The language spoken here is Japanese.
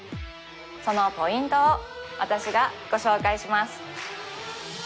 そのポイントを私がご紹介します